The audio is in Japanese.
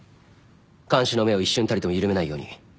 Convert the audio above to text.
監視の目を一瞬たりとも緩めないように。